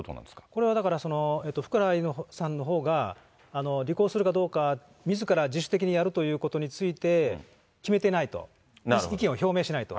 これはだから、福原愛さんのほうが、履行するかどうか、みずから自主的にやるということについて、決めてないと、意見を表明していないと。